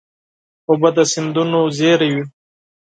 اوبه د سیندونو زېری وي.